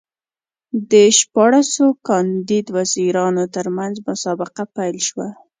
د شپاړسو کاندید وزیرانو ترمنځ مسابقه پیل شوه.